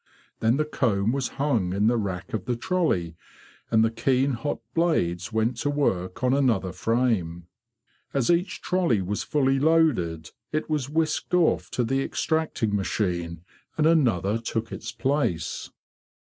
Then the comb was hung in the rack of the trolley, and the keen hot blades went to work on another frame. As each trolley was fully loaded it was whisked off to the extracting machine and another took its place.